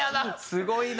すごいな！